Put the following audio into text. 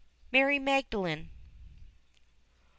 MARY MAGDALENE.